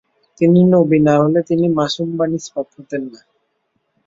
তিনি নবী না হলে তিনি মাসুম বা নিষ্পাপ হতেন না।